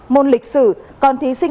môn lịch sử còn thí sinh